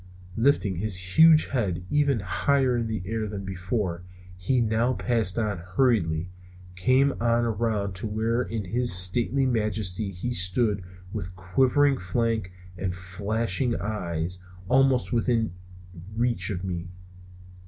Lifting his huge head even higher in the air than before, he now passed on hurriedly, came on around to where in his stately majesty he stood with quivering flank and flashing eye almost within reach of me.